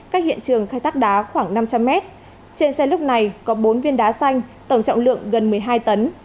cách hiện trường khai thác đá khoảng năm trăm linh mét trên xe lúc này có bốn viên đá xanh tổng trọng lượng gần một mươi hai tấn